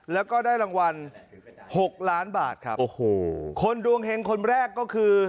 แล้วก็ได้รางวัลหกล้านบาทครับโอ้โหคนดวงเฮงคนแรกก็คือ